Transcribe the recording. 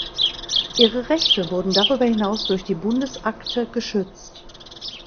Ihre Rechte wurden darüber hinaus durch die Bundesakte geschützt.